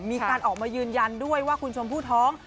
มีการออกมายืนยันด้วยว่าคุณชมพู่ท้อง